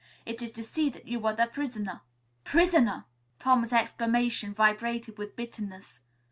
It is to see that you are the prisoner." "Prisoner!" Tom's exclamation vibrated with bitterness.